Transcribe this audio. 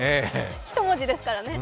１文字ですからね。